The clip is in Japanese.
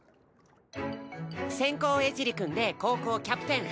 先攻江尻くんで後攻キャプテン。